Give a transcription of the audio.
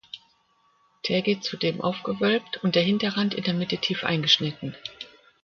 Tergit zudem aufgewölbt und der Hinterrand in der Mitte tief eingeschnitten.